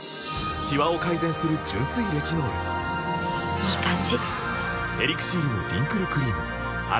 いい感じ！